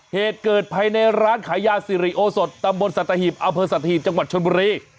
เหตุเกิดภายในร้านขายยาสิริโอสดตำบลสัตหิบอำเภอสัตหีบจังหวัดชนบุรี